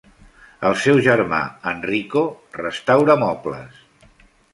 El seu germà, Enrico, restaura mobles.